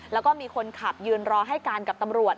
แล้วก็มีคนขับยืนรอให้การกับตำรวจ